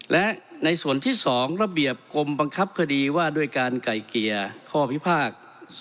และในส่วนที่๒ระเบียบกรมบังคับคดีว่าด้วยการไก่เกลี่ยข้อพิพากษ์